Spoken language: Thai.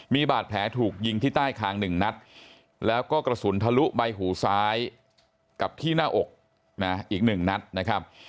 มีบาดแผลถูกยิงที่ใต้คาง๑นัดแล้วก็กระสุนทะลุใบหูซ้ายกับที่หน้าอกนะอีก๑นัดนะครับ